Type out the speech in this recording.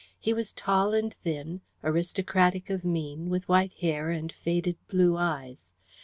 He was tall and thin, aristocratic of mien, with white hair and faded blue eyes.